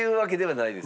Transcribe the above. ないです。